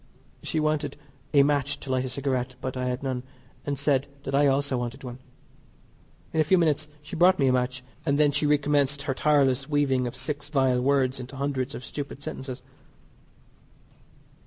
She wanted a match to light a cigarette, but I had none, and said that I also wanted one. In a few minutes she brought me a match, and then she recommenced her tireless weaving of six vile words into hundreds of stupid sentences.